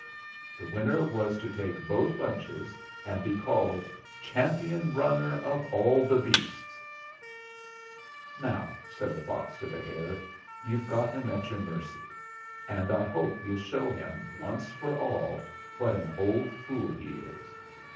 The winner was to take both bunches and be called 'Champion Runner of all the Beasts/ " 'Now/ said the fox to the hare, 'you've got him at your mercy, and I hope you'll show him, once for all, what an old fool he is.